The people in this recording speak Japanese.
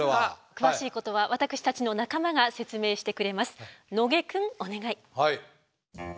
詳しいことは私たちの仲間が説明してくれます。